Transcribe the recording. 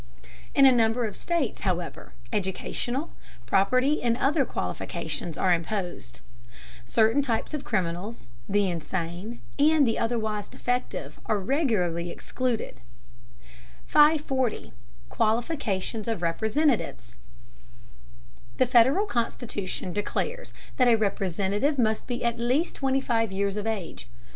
In a number of states, however, educational, property and other qualifications are imposed. Certain types of criminals, the insane, and the otherwise defective are regularly excluded. [Footnote: For a fuller discussion of the suffrage, see Chapter XXXIII.] 540. QUALIFICATIONS OF REPRESENTATIVES. The Federal Constitution declares that a Representative must be at least twenty five years of age.